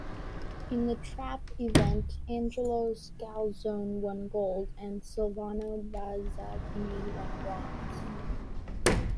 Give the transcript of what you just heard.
In the trap event, Angelo Scalzone won gold and Silvano Basagni won bronze.